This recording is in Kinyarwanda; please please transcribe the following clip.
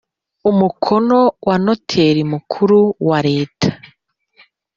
umukono wa noteri mukuru wa leta